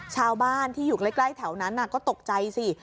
ชาวบ้านที่อยู่ใกล้แถวนั้นก็ตกใจสิ